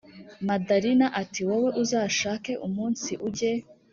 madalina ati”wowe uzashake umunsi ujye